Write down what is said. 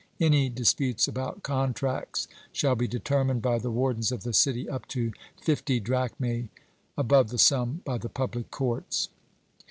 Any disputes about contracts shall be determined by the wardens of the city up to fifty drachmae above that sum by the public courts.